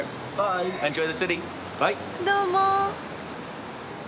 どうも。